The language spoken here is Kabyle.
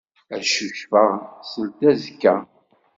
Ad cucfeɣ seldazekka.